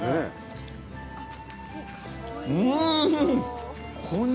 うん！